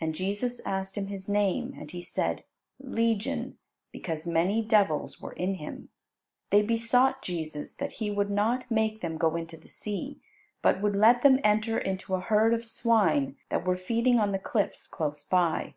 And Jesus asked him his name. And he said, "Legion," because many devils were in him. They besought Jesus that He would not make them go into the sea, but would let them enter into a herd of swine that were feeding on the cliffs close by.